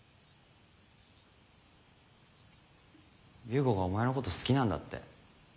勇吾がお前のこと好きなんだって。